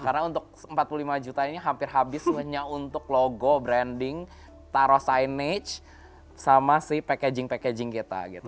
karena untuk empat puluh lima juta ini hampir habis hanya untuk logo branding taro signage sama si packaging packaging kita gitu